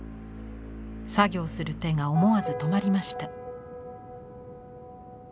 作業する手が思わず止まりました。